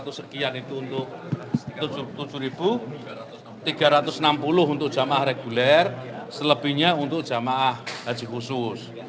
satu sekian itu untuk tujuh tiga ratus enam puluh untuk jamaah reguler selebihnya untuk jamaah haji khusus